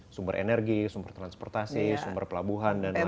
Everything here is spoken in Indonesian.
sumber energi sumber transportasi sumber pelabuhan dan lain lain